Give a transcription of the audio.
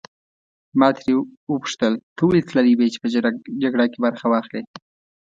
ما ترې وپوښتل ته ولې تللی وې چې په جګړه کې برخه واخلې.